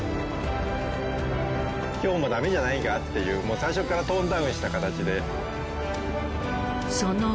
今日もダメじゃないかっていう最初からトーンダウンした形で。